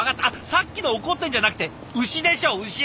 さっきの怒ってるんじゃなくて牛でしょ牛！